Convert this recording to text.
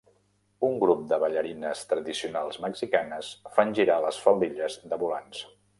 Un grup de ballarines tradicionals mexicanes fan girar les faldilles de volants.